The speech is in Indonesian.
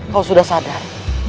kau sudah sadar